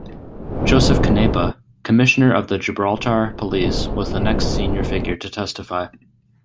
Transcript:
Joseph Canepa, commissioner of the Gibraltar Police, was the next senior figure to testify.